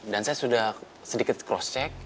dan saya sudah sedikit cross check